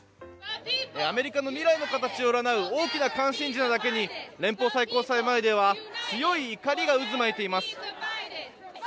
アメリカの未来の形をうらなう大きな関心事なだけに連邦最高裁前では強い怒りが渦巻いています。